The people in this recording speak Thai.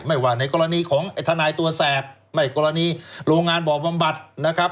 ว่าในกรณีของไอ้ทนายตัวแสบไม่กรณีโรงงานบ่อบำบัดนะครับ